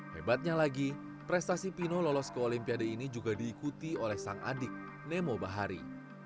hebatnya lagi prestasi pino lolos ke olimpiade ini juga diikuti oleh sang adik nemo bahari